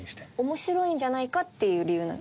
面白いんじゃないかっていう理由？